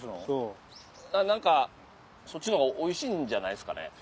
ああなんかそっちのがおいしいんじゃないすかね？